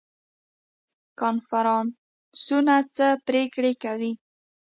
کنفرانسونه څه پریکړې کوي؟